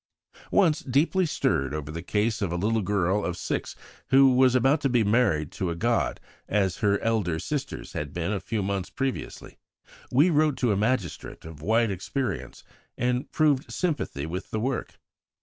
Once, deeply stirred over the case of a little girl of six who was about to be married to a god as her elder sisters had been a few months previously, we wrote to a magistrate of wide experience and proved sympathy with the work.